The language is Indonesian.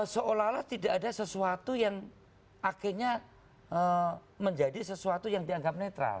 seolah olah tidak ada sesuatu yang akhirnya menjadi sesuatu yang dianggap netral